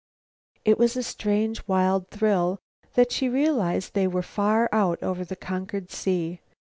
It was with a strange, wild thrill that she realized they were far out over the conquered sea.